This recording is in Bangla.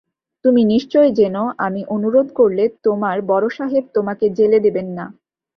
তুমি নিশ্চয় জেনো আমি অনুরোধ করলে তোমার বড়োসাহেব তোমাকে জেলে দেবেন না।